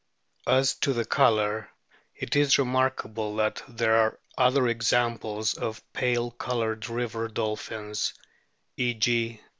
As to the colour, it is remarkable that there are other examples of pale coloured river dolphins (e.g.